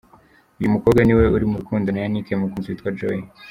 Uyu Mukobwa niwe uri murukundo na Yannick Mukunzi yitwa Joy .